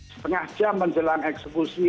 setengah jam menjelang eksekusi